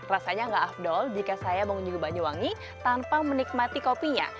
rasanya nggak afdol jika saya mengunjungi banyuwangi tanpa menikmati kopinya